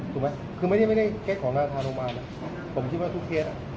ถูกไหมคือไม่ได้แก๊สของหน้าทานโรมานนะผมคิดว่าทุกเคส